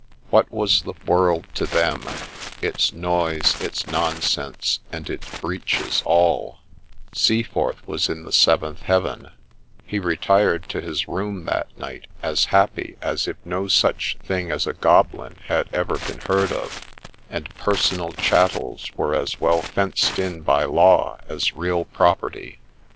' What was the world to them, Its noise, its nonsense, and its " breeches " all T * Seaforth was in the seventh heaven ; he retired to his room that night as happy as if no such thing as a goblin had ever been heard of, and personal chattels were as well fenced in by law as real property.